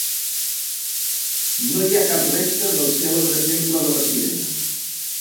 No hi ha cap resta del cèlebre temple de les Sirenes.